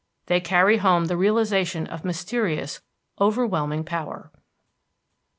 They carry home the realization of mysterious, overwhelming power.